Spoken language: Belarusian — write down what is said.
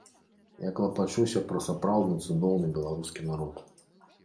Я клапачуся пра сапраўды цудоўны беларускі народ.